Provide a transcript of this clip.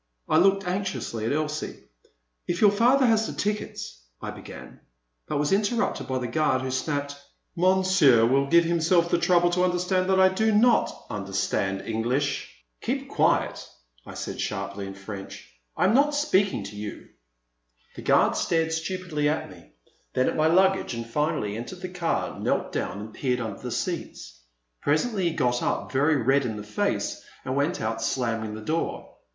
I looked anxiously at Elsie. If your father has the tickets —'* I began, but was interrupted by the guard who snapped, Mon sieur will give himself the trouble to remember that I do not understand English." 389 390 The Man at the Next Table. *' Keep quiet !I said sharply in French, I am not speaking to you." The guard stared stupidly at me, then at my luggage, and finally, entering the car, knelt down and peered under the seats. Presently he got up, very red in the face, and went out slamming the door.